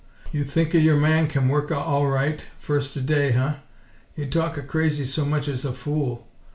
You thinka your man can worka all right, firsta day, huh? You talka crazy so much as a fool!